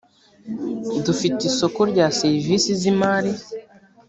dufite isoko rya serivisi z imari